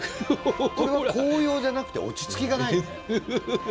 これは高揚じゃなくて落ち着きがないよね。